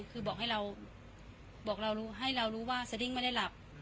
คือบอกให้เรารู้ว่าเซอร์ดิ้งไม่ได้หลับ